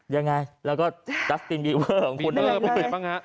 ยังไงแล้วก็ดัสตินบีเบอร์ของคุณ